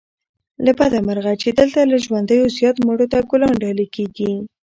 له بده مرغه چې دلته له ژوندیو زيات مړو ته ګلان ډالې کېږي